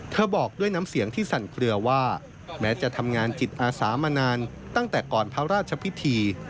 บอกด้วยน้ำเสียงที่สั่นเคลือว่าแม้จะทำงานจิตอาสามานานตั้งแต่ก่อนพระราชพิธี